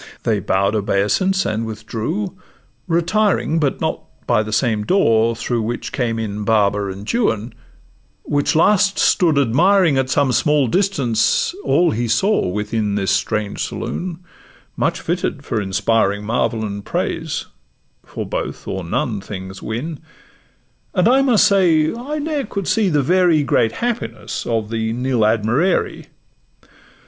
They bow'd obeisance and withdrew, retiring, But not by the same door through which came in Baba and Juan, which last stood admiring, At some small distance, all he saw within This strange saloon, much fitted for inspiring Marvel and praise; for both or none things win; And I must say, I ne'er could see the very Great happiness of the 'Nil Admirari.